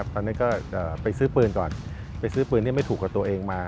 ตอนนั้นก็ไปซื้อปืนก่อนไปซื้อปืนที่ไม่ถูกกับตัวเองมา